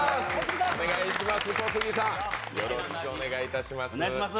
お願いします。